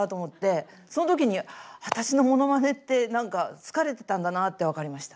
その時に私のものまねって何か好かれてたんだなあって分かりました。